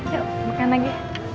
yuk makan lagi